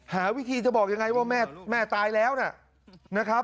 หาวิธีจะบอกยังไงว่าแม่ตายแล้วนะครับ